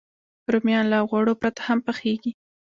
رومیان له غوړو پرته هم پخېږي